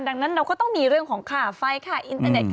ดังนั้นเราก็ต้องมีเรื่องของค่าไฟค่าอินเตอร์เน็ตค่ะ